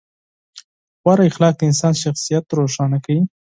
غوره اخلاق د انسان شخصیت روښانه کوي.